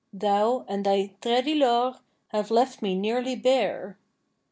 Thou and thy Traa dy liooar have left me nearly bare.'